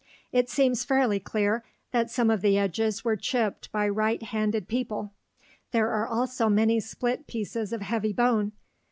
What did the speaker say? It seems fairly clear that some of the edges were chipped by right handed people. There are also many split pieces of heavy bone.